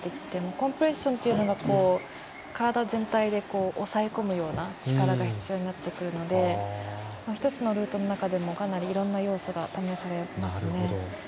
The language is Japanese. コンプレッションというのが体全体で押さえ込むような力が必要になってくるので１つのルートの中でもかなりいろんな要素が試されます。